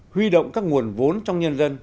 huy động các nguồn vốn trong nhân dân